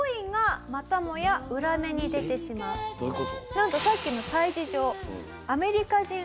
なんとさっきの催事場。